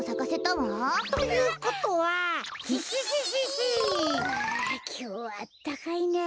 わあきょうはあったかいなあ。